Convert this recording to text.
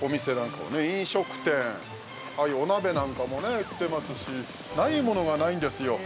はい、お鍋なんかも売ってますしないものがないんですよ。